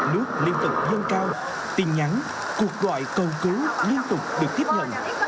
nước liên tục dâng cao tin nhắn cuộc gọi cầu cứu liên tục được tiếp nhận